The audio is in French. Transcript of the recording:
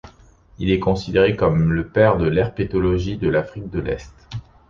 Il est considéré comme le père de l'herpétologie de l'Afrique de l'est.